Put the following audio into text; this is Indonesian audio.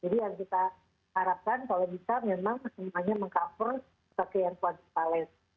jadi yang kita harapkan kalau bisa memang semuanya meng cover sekian fluvial